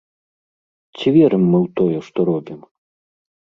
Ці верым мы ў тое, што робім?